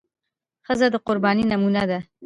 ښځه د قربانۍ نمونه ده.